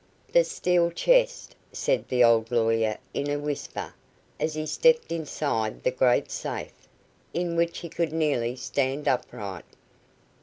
"The steel chest," said the old lawyer, in a whisper, as he stepped inside the great safe, in which he could nearly stand upright.